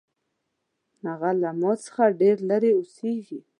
هغه له ما څخه ډېر لرې اوسیږي